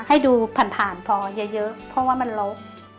ให้ดูผ่านพอเยอะเพราะว่ามันลบ